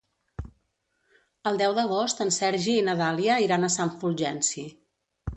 El deu d'agost en Sergi i na Dàlia iran a Sant Fulgenci.